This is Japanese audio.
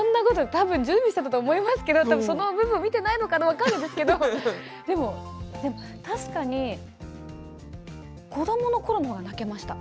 多分、準備していたと思うんですけどその部分は見ていないのかな分からないですけどでも確かに子どものころも泣けました。